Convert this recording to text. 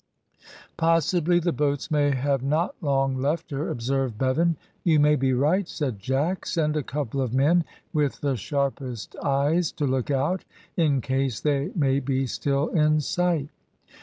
"Possibly the boats may have not long left her," observed Bevan. "You may be right," said Jack. "Send a couple of men with the sharpest eyes to look out, in case they may be still in sight."